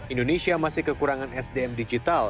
indonesia masih kekurangan sdm digital